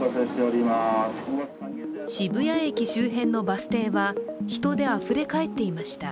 渋谷駅周辺のバス停は、人であふれかえっていました。